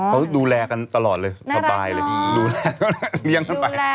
เขาดูแลกันตลอดเลยประบายเลยดูแลกันแล้วกันไป